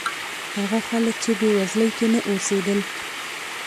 هغه خلک چې بېوزلۍ کې نه اوسېدل.